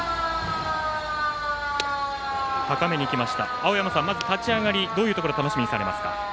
青山さん、まず立ち上がりどういうところを楽しみにされますか？